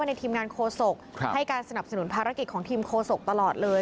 ในทีมงานโคศกให้การสนับสนุนภารกิจของทีมโคศกตลอดเลย